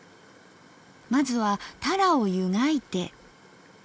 まずはタラを湯がいて。